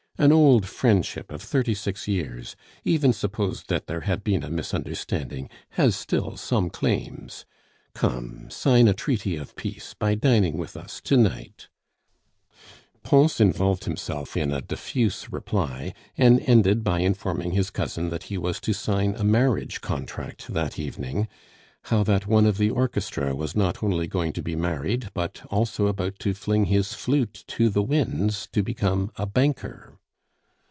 An old friendship of thirty six years, even suppose that there had been a misunderstanding, has still some claims. Come, sign a treaty of peace by dining with us to night " Pons involved himself in a diffuse reply, and ended by informing his cousin that he was to sign a marriage contract that evening; how that one of the orchestra was not only going to be married, but also about to fling his flute to the winds to become a banker.